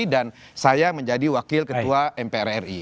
dan saya menjadi wakil ketua mpr ri